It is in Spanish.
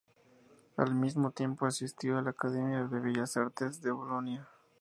Al mismo tiempo asistió a la Academia de Bellas Artes de Bolonia.